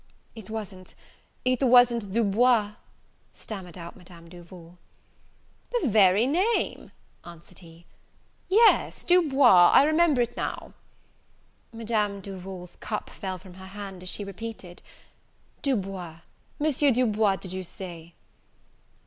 "It wasn't it wasn't Du Bois?" stammered out Madame Duval. "The very name!" answered he: "yes, Du Bois, I remember it now." Madame Duval's cup fell from her hand, as she repeated "Du Bois! Monsieur Du Bois, did you say?"